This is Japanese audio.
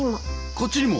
こっちにも！？